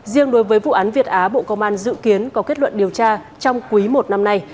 riêng đối với vụ án việt á bộ công an dự kiến có kết luận điều tra trong quý i năm nay